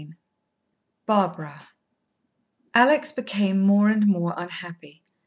XIV Barbara Alex became more and more unhappy.